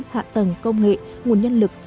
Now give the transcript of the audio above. hạ tầng công nghệ nguồn nhân lực